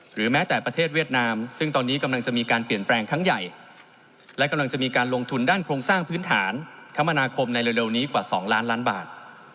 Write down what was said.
แม้แต่ประเทศเวียดนามซึ่งตอนนี้กำลังจะมีการเปลี่ยนแปลงครั้งใหญ่และกำลังจะมีการลงทุนด้านโครงสร้างพื้นฐานคมนาคมในเร็วนี้กว่า๒ล้านล้านบาท